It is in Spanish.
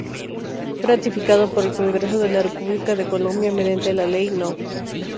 Fue ratificado por el Congreso de la República de Colombia mediante la ley No.